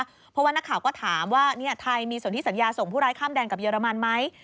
เพราะว่านักข่าวก็ถามว่าไทยมีส่วนที่สัญญาส่งผู้ร้ายข้ามแดนกับเรมันไหม